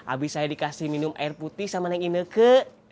abis saya dikasih minum air putih sama neng ineke